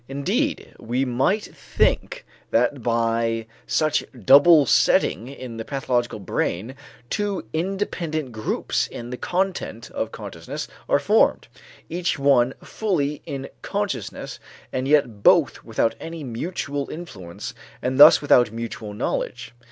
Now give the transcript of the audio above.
Indeed we might think that by such double setting in the pathological brain two independent groups in the content of consciousness are formed, each one fully in consciousness and yet both without any mutual influence and thus without mutual knowledge.